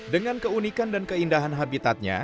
dengan keunikan dan keindahan habitatnya